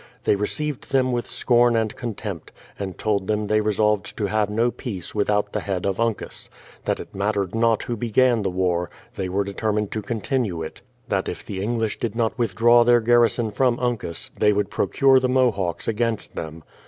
They received them with scorn and contempt, and told them they resolved to have no peace without the head of Uncas ; that it mattered not who began the war, they were determined to continue it; that if the English did not withdraw their garrison from Uncas, they would procure the Mohawks against them.